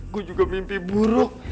gue juga mimpi buruk